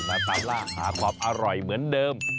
ตามล่าหาความอร่อยเหมือนเดิม